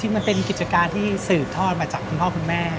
มันเป็นกิจการที่สืบทอดมาจากคุณพ่อคุณแม่